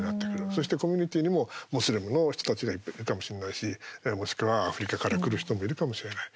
そして、コミュニティーにもムスリムの人たちがいるかもしれないしもしくはアフリカから来る人もいるかもしれない。